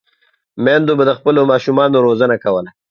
میندو به د خپلو ماشومانو روزنه کوله.